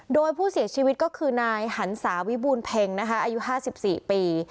โดยผู้เสียชีวิตก็คือนายหันศาวิบูรเพ็งนะคะอายุ๕๔ปี